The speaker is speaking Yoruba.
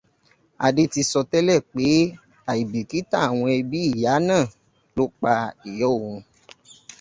Adé ti sọ tẹ́lẹ̀ pé àìbìkítà àwọn ẹbí ìyá náà ló pa ìyá òun.